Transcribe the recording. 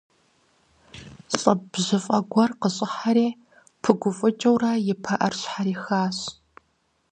ЛӀы бжьыфӀэ гуэр къыщӀыхьэри, пыгуфӀыкӀыурэ и пыӀэр щхьэрихащ.